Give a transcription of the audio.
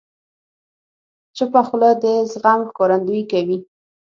چپه خوله، د زغم ښکارندویي کوي.